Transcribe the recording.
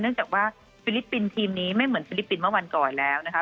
จากว่าฟิลิปปินส์ทีมนี้ไม่เหมือนฟิลิปปินส์เมื่อวันก่อนแล้วนะคะ